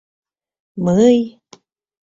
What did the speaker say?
«Мы-ый...»